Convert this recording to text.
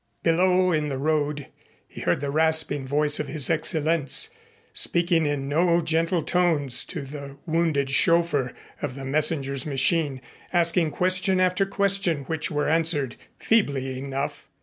Below in the road he heard the rasping voice of His Excellenz, speaking in no gentle tones to the wounded chauffeur of the messenger's machine, asking question after question which were answered feebly enough.